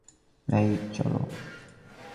এই, চলো।